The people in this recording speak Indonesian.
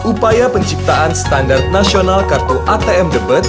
upaya penciptaan standar nasional kartu atm debet